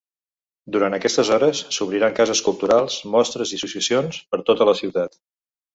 Durant aquestes hores s’obriran cases culturals, mostres i associacions per tota la ciutat.